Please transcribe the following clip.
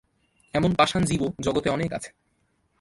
এমন পাষাণ জীবও জগতে অনেক আছে।